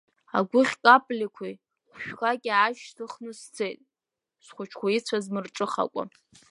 Агәыхь каплақәеи хәшәқәаки аашьҭыхны сцеит, схәыҷқәа ицәаз мырҿыхакәа.